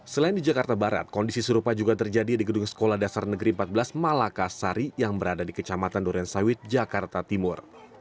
selain di jakarta barat kondisi serupa juga terjadi di gedung sekolah dasar negeri empat belas malaka sari yang berada di kecamatan durensawit jakarta timur